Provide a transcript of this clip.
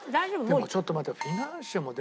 でもちょっと待てよ。